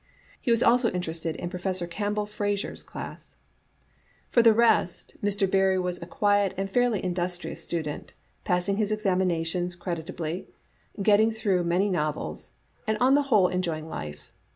He was also inter ested in Professor Campbell Eraser's class. For the rest, Mr. Barrie was a quiet and fairly indus trious student, passing his exa*minations creditably, getting through many novels, and on the whole enjoy ing life.